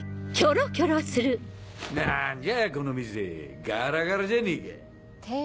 何じゃあこの店ガラガラじゃねえか。